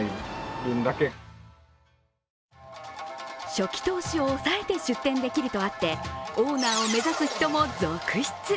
初期投資を抑えて出店できるとあって、オーナーを目指す人も続出。